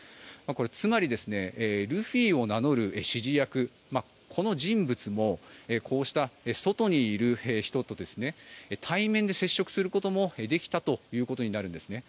つまり、ルフィを名乗る指示役この人物もこうした外にいる人と対面で接触することもできたということになるんですね。